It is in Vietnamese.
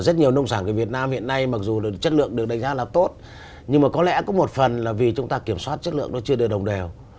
rất nhiều nông sản của việt nam hiện nay mặc dù là chất lượng được đánh giá là tốt nhưng mà có lẽ cũng một phần là vì chúng ta kiểm soát chất lượng nó chưa đồng đều